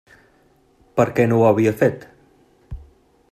Per què no ho havia fet?